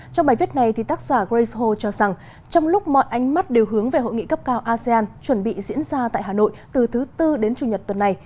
trong bài viết này tác giả grayzho cho rằng trong lúc mọi ánh mắt đều hướng về hội nghị cấp cao asean chuẩn bị diễn ra tại hà nội từ thứ tư đến chủ nhật tuần này